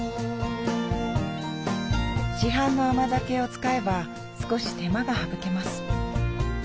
市販の甘酒を使えば少し手間が省けます